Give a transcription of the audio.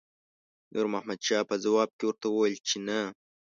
نور محمد شاه په ځواب کې ورته وویل چې نه.